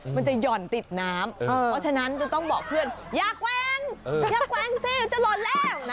หย่อนติดน้ำเพราะฉะนั้นจะต้องบอกเพื่อนอย่าแกว้งอย่าแกว้งสิจะหล่นแล้วนะ